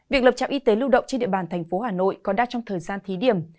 việc lập trạm y tế lưu động trên địa bàn thành phố hà nội còn đang trong thời gian thí điểm